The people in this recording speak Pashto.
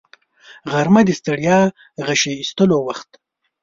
غرمه د ستړیا غشي ایستلو وخت دی